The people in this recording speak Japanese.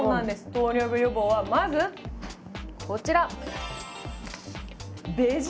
糖尿病予防はまずこちら。